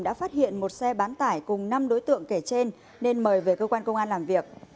đã phát hiện một xe bán tải cùng năm đối tượng kể trên nên mời về cơ quan công an làm việc